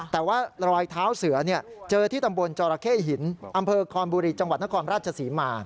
แต่ว่ารอยเท้าเสือเจอที่ตำบลจรเข้หินอำเภอคอนบุรีจังหวัดนครราชศรีมา